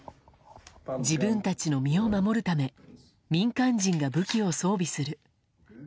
自分たちの身を守るため民間人が武器を装備する。